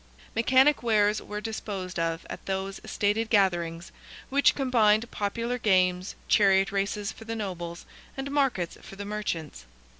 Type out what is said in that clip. Mechanic wares were disposed of at those stated gatherings, which combined popular games, chariot races for the nobles, and markets for the merchants.